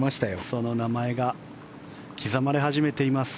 その名前が刻まれ始めています。